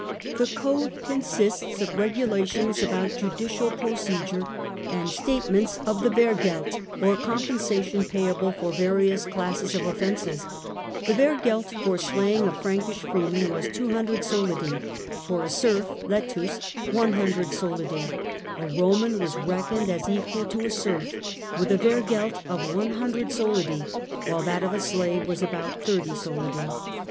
The code consists of regula tions about judicial procedure and statements of the ' wehrgeld " or compensation payable for various classes of offences. The " wehrgeld " for slaying a Frankish freeman was 200 solidi, for a serf (letus) 100 solidi. A. Eoman was reckoned as equal to a serf, with a wehrgeld of 100 solidi, while that of a slave was about 30 solidi.